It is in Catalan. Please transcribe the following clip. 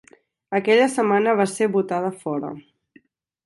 Aquella setmana, va ser votada fora.